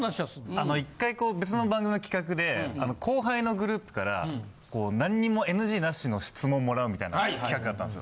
あの１回別の番組の企画で後輩のグループから何にもＮＧ無しの質問もらうみたいな企画があったんですよ。